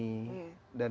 dan kita mau mencari